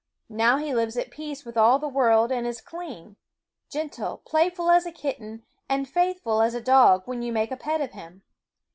Now he lives at peace with all the world and is clean, gentle, playful as a kitten and faithful as a dog when you make a pet of him.